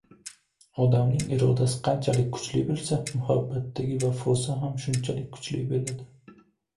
Odamning irodasi qanchalik kuchli bo‘lsa, muhabbatdagi vafosi ham shunchalik kuchli.